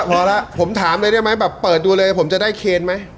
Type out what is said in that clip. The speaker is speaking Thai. พอแล้วผมถามเลยได้ไหมแบบเปิดดูเลยผมจะได้เคนไหม